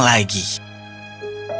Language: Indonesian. dan peter terbohong lagi